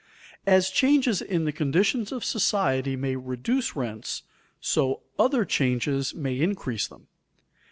As changes in the conditions of society may reduce rents, so other changes may increase them.